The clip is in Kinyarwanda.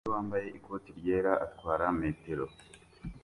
Umugore wambaye ikoti ryera atwara metero